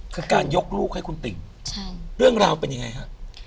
คือการยกลูกให้คุณติ่งเรื่องราวเป็นยังไงฮะ